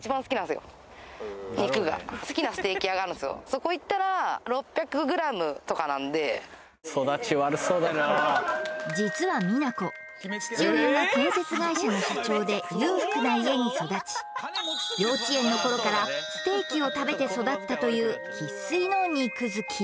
そこ行ったら６００ｇとかなんで実はミナコ父親が建設会社の社長で裕福な家に育ち幼稚園のころからステーキを食べて育ったという生粋の肉好き